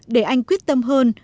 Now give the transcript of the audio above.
để anh quyết tâm hơn